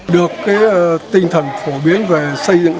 được tinh thần phổ biến về xã tiên lãng